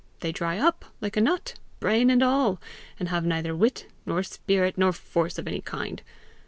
They dry up like a nut, brain and all, and have neither spirit, nor wit, nor force of any kind.